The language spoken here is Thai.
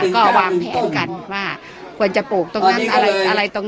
ก็วางแผนกันว่าควรจะปลูกตรงนั้นอะไรตรงนี้